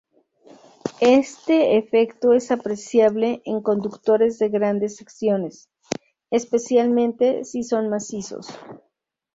Este efecto es apreciable en conductores de grandes secciones, especialmente si son macizos.